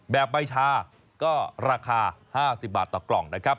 ใบชาก็ราคา๕๐บาทต่อกล่องนะครับ